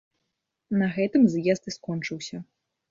На гэтым з'езд і скончыўся.